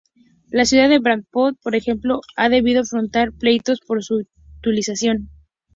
La Ciudad de Brampton, por ejemplo, ha debido afrontar pleitos por su utilización.